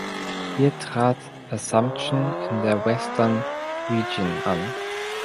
Hier trat Assumption in der Western Region an.